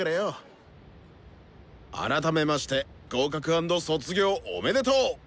改めまして合格＆卒業おめでとう！